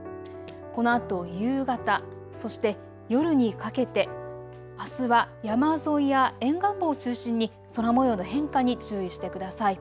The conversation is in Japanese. このあと夕方、そして夜にかけてあすは山沿いや沿岸部を中心に空もようの変化に注意してください。